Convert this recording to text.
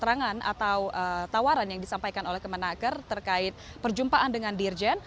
serangan atau tawaran yang disampaikan oleh kemenaker terkait perjumpaan dengan dirjen